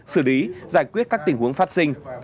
xử lý giải quyết các tình huống phát sinh